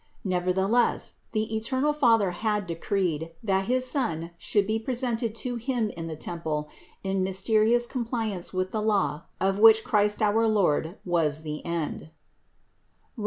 Nevertheless the eternal Father had decreed, that his Son should be presented to Him in the temple in mys terious compliance with the law, of which Christ our Lord was the end (Rom.